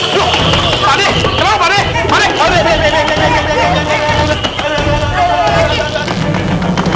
pak deh kenapa pak deh